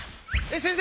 先生